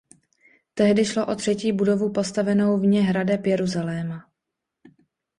Tehdy šlo o třetí budovu postavenou vně hradeb Jeruzaléma.